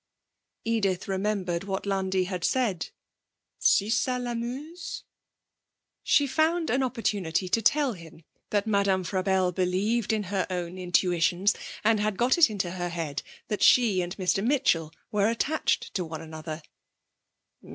Edith remembered what Landi had said: 'Si ça l'amuse?' She found an opportunity to tell him that Madame Frabelle believed in her own intuitions, and had got it into her head that she and Mr. Mitchell were attached to one another.